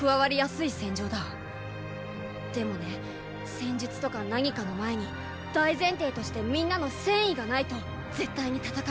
でもね戦術とか何かの前に大前提としてみんなの“戦意”がないと絶対に戦いにならない。